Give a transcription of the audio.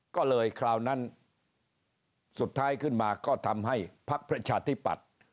ก็เลยคราวนั้นสุดท้ายขึ้นมาก็ทำให้พักประชาธิปัตย์